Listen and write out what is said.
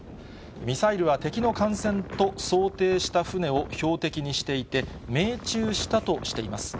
ミサイルは敵の艦船と想定した船を標的にしていて、命中したとしています。